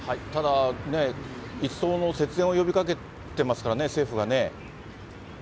ただ、一層の節電を呼びかけてますからね、政府がね。